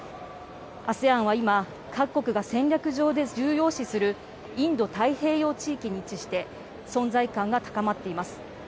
ＡＳＥＡＮは今各国が戦略上で重要視するインド太平洋地域に位置して存在感が高まっています。